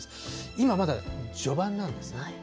今まだ序盤なんですね。